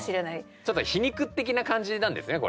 ちょっと皮肉的な感じなんですね